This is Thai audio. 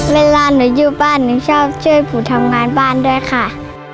เวลาหนูอยู่บ้านหนูชอบช่วยผูทำงานบ้านด้วยค่ะ